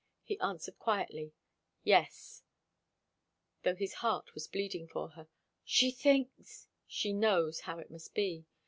He answered quietly, "Yes;" though his heart was bleeding for her. "She thinks " "She knows how it must be.